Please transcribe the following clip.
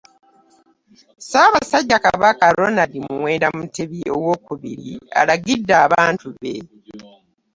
Ssaabasajja Kabaka Ronald Muwenda Mutebi owookubiri alagidde abantu be